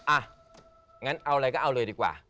อ่ะงั้นเอาอะไรก็เอาเลยดีกว่า